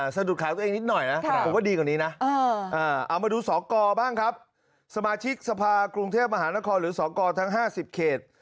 สองกรบ้างครับสมาชิกสภาคกรุงเทพมหานครหรือสองกรทั้ง๕๐เคต